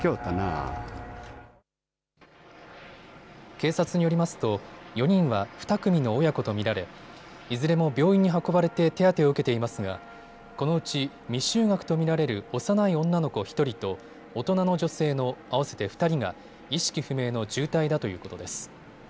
警察によりますと４人は２組の親子と見られ、いずれも病院に運ばれて手当てを受けていますがこのうち未就学と見られる幼い女の子１人と大人の女性の合わせて２人が意識不明の重体だということです。